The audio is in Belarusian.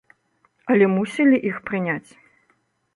Але мусілі іх прыняць.